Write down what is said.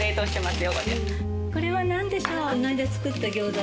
これは何でしょう？